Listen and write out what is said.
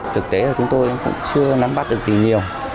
thực tế là chúng tôi cũng chưa nắm bắt được gì nhiều